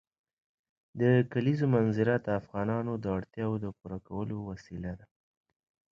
د کلیزو منظره د افغانانو د اړتیاوو د پوره کولو وسیله ده.